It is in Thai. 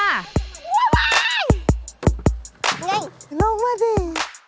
ไงลงมาดิเอ่อ